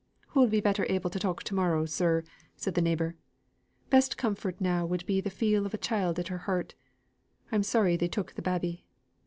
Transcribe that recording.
"Hoo'll be better able to talk to morrow, sir," said the neighbour. "Best comfort now would be the feel of a child at her heart. I'm sorry they took the babby."